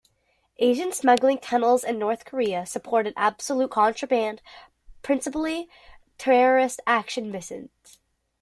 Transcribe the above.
Asian smuggling tunnels in North Korea supported absolute contraband, principally terrorist action missions.